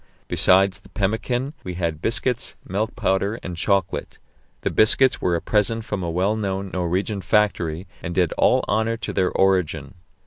Besides the pemmican, we had biscuits, milk powder, and chocolate. The biscuits were a present from a well known Norwegian factory, and did all honour to their origin.